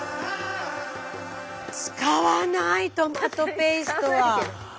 使わないトマトペーストは。